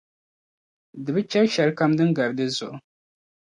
Di bi chɛri shɛli kam di ni gari di zuɣu.